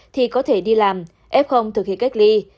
thì có thể đi làm f thực hiện cách ly